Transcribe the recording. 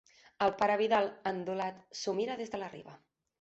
El Pare Vidal, endolat, s'ho mira des de la Riba.